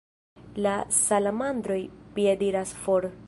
La salamandroj piediras for.